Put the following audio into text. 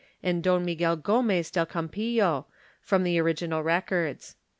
and Don Miguel Gomez del Campillo, from the origi nal records.